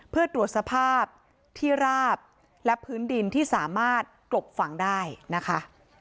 เพื่อตรวจสภาพที่ราบและพื้นดินที่สามารถกลบฝั่งได้นะคะ